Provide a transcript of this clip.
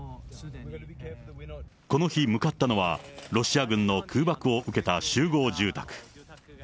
この日向かったのは、ロシア軍の空爆を受けた集合住宅。